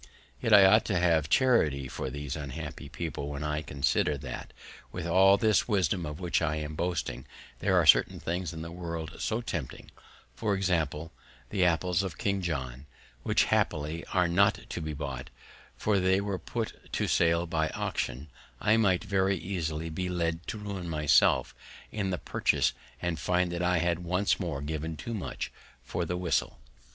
Yet I ought to have charity for these unhappy people, when I consider, that, with all this wisdom of which I am boasting, there are certain things in the world so tempting, for example, the apples of King John, which happily are not to be bought; for if they were put to sale by auction, I might very easily be led to ruin myself in the purchase, and find that I had once more given too much for the whistle.